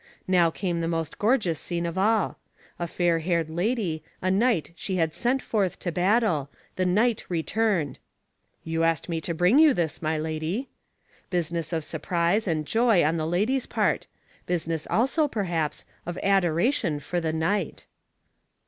Now came the most gorgeous scene of all. A fair haired lady; a knight she had sent forth to battle; the knight returned. "You asked me to bring you this, my lady." Business of surprise and joy on the lady's part business also, perhaps, of adoration for the knight.